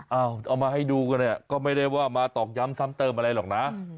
เอาเอามาให้ดูกันเนี่ยก็ไม่ได้ว่ามาตอกย้ำซ้ำเติมอะไรหรอกนะ